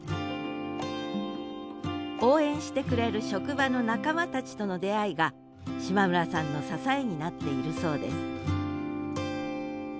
応援してくれる職場の仲間たちとの出会いが島村さんの支えになっているそうです